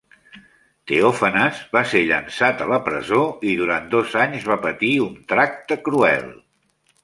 Teòfanes va ser llançat a la presó i durant dos anys va patir un tracte cruel.